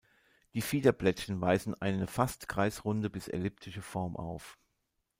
Die Fiederblättchen weisen eine fast kreisrunde bis elliptische Form auf.